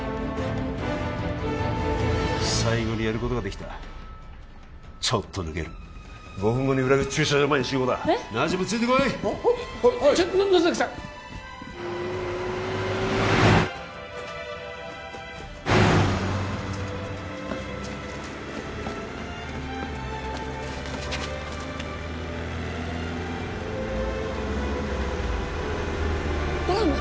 最後にやることができたちょっと抜ける５分後に裏口駐車場前に集合だナジュムついてこいはははいちょ野崎さんドラム！